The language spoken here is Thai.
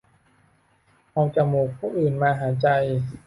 เอาจมูกผู้อื่นมาหายใจ